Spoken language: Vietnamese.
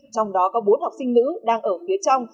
trong đó có bốn học sinh nữ đang ở phía trong